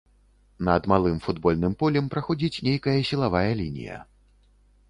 Над малым футбольным полем праходзіць нейкая сілавая лінія.